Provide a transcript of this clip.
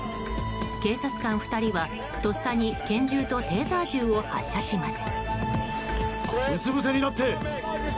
警察官２人は、とっさに拳銃とテーザー銃を発射します。